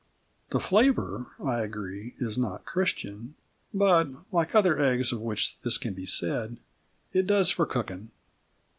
The flavour, I agree, is not Christian, but, like other eggs of which this can be said, it does for cooking.